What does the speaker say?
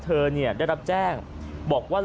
เธอเนี่ยได้รับแจ้งบอกว่า